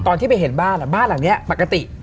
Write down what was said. ตอนที่ไปเห็นบ้านบ้านหลังนี้ปกติ